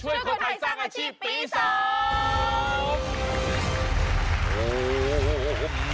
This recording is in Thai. คนไทยสร้างอาชีพปีสอง